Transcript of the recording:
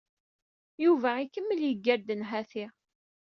Yuba ikemmel yeggar-d nnhati.